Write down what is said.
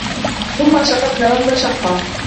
ثُمَّ شَقَقنَا الأَرضَ شَقًّا